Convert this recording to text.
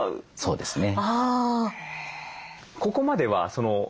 そうですね。